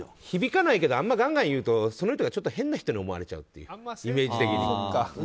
響かないけどあまりガンガン言うとその人がちょっと変な人に思われちゃうっていうイメージ的に。